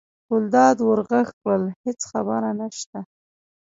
ګلداد ور غږ کړل: هېڅ خبره نشته.